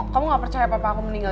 kamu gak percaya papa aku meninggal